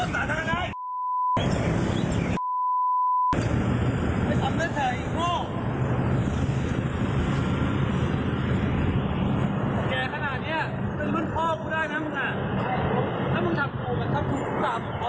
ถ้ามึงทำกูมันทำกูสามารถมึงพอทุกท่อนอยู่แล้ว